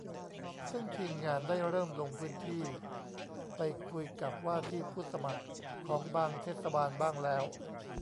ซึ่งทีมงานได้เริ่มลงพื้นที่ไปคุยกับว่าที่ผู้สมัครของบางเทศบาลบ้างแล้ว